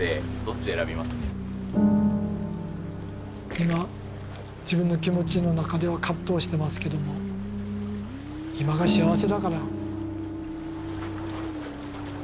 今自分の気持ちの中では葛藤してますけども今が幸せだから。